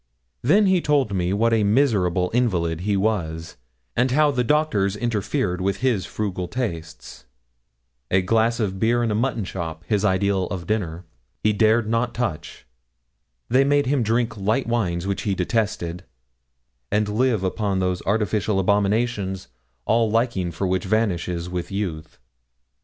Then he told me what a miserable invalid he was, and how the doctors interfered with his frugal tastes. A glass of beer and a mutton chop his ideal of a dinner he dared not touch. They made him drink light wines, which he detested, and live upon those artificial abominations all liking for which vanishes with youth.